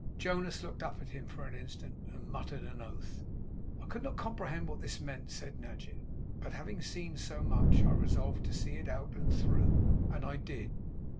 Jonas looked up at him for an instant, and muttered an oath. 'I could not comprehend what this meant,' said Nadgett; 'but, having seen so much, I resolved to see it out, and through. And I did.